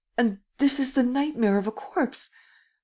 And this is the nightmare of a corpse!